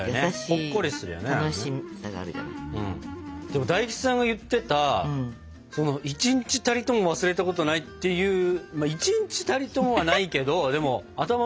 でも大吉さんが言ってた一日たりとも忘れたことないっていうまあ一日たりともはないけどでも頭の片隅にはいるなって思いますよ。